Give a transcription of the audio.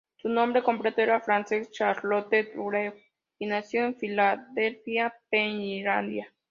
Su nombre completo era Frances Charlotte Greenwood, y nació en Filadelfia, Pennsylvania.